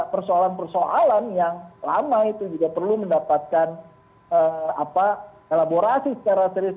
persoalan persoalan yang lama itu juga perlu mendapatkan elaborasi secara serius